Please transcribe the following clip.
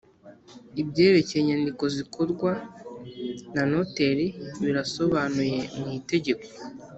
ibyerekeye inyandiko zikorwa na noteri birasobanuye mu itegeko